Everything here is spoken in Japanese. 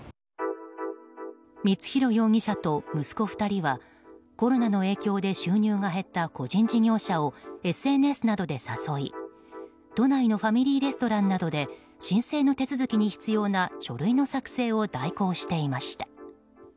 光弘容疑者と息子２人はコロナの影響で収入が減った個人事業者をＳＮＳなどで誘い都内のファミリーレストランなどで申請の手続きに必要な書類の作成を代行していました。